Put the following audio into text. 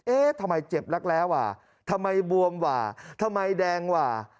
เอ๊ะทำไมเจ็บรักแล้วหว่าทำไมบวมหว่าทำไมแดงหว่า